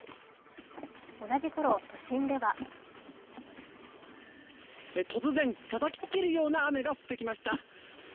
同じ頃、都心では突然たたきつけるような雨が降ってきました。